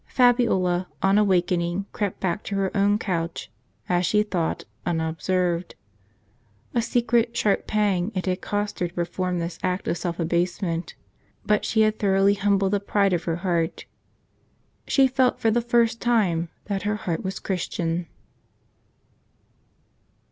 Fabiola, on awaking, crept back to her own couch, as she thought, unobserved. A secret, sharp pang it had cost her to perform this act of self abasement ; but she had thoroughly humbled the pride of her heart. She felt for the first time that her heart was Christian.